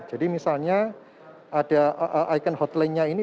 jadi misalnya ada icon hotlinenya ini